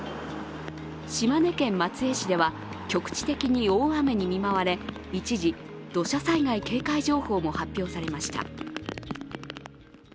島根県松江市では局地的に大雨に見舞われ一時、土砂災害警戒情報も発表されました。